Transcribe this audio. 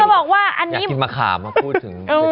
เธอบอกว่าอยากทิ้งมะขามมาพูดถึงเพชรชบูน